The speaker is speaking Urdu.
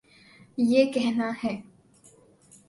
یہ کہنا ہے۔